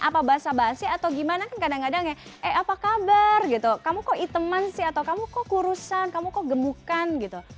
apa bahasa bahasa atau gimana kan kadang kadang ya eh apa kabar gitu kamu kok iteman sih atau kamu kok kurusan kamu kok gemukan gitu